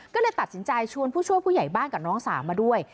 ก็เลยตัดสินใจชวนผู้ช่วยผู้ใหญ่บ้านกับน้องสาวมาด้วย